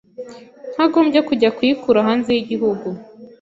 ntagombye kujya kuyikura hanze y’igihugu